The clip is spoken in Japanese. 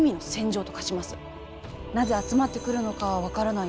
なぜ集まってくるのかは分からない